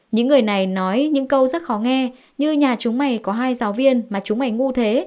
những người này nói những câu rất khó nghe như nhà chúng này có hai giáo viên mà chúng ảnh ngu thế